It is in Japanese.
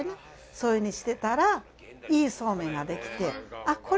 そういうふうにしてたらいいそうめんができてあっこれ！